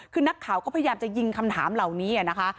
คือนักข่าวก็พยายามจะยิงคำถามเหล่านี้นะคะ